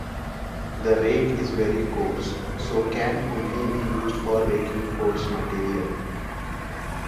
The rake is very coarse, so can only be used for raking coarse material.